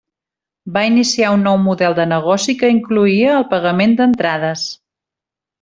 Va iniciar un nou model de negoci que incloïa el pagament d'entrades.